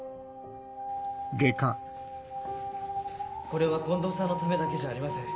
これは近藤さんのためだけじゃありません。